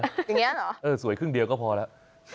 อย่างนี้เหรอเออสวยครึ่งเดียวก็พอแล้ว